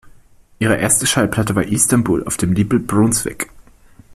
Ihre erste Schallplatte war "Istanbul" auf dem Label Brunswick.